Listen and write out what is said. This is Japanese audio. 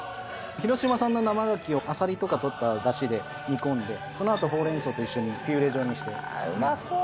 広島産の生ガキをアサリとかでとっただしで煮込んで、そのあと、ほうれん草と一緒にピューレうまそう。